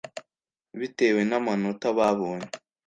Bitewe n’amanota babonye